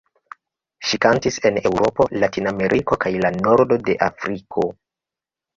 Ŝi kantis en Eŭropo, Latinameriko kaj la nordo de Afriko.